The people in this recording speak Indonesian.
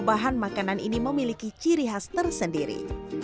bahan makanan ini memiliki ciri khas tersendiri